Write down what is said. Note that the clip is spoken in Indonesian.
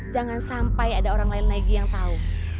jangan sampai ada orang lain lagi yang tahu